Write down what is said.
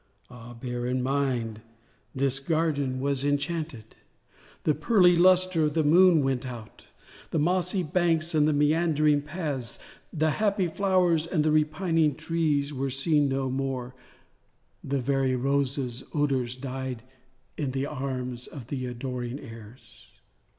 (Ah, bear in mind this garden was enchanted!) The pearly lustre of the moon went out: The mossy banks and the meandering paths, The happy flowers and the repining trees, Were seen no more: the very roses' odors Died in the arms of the adoring airs.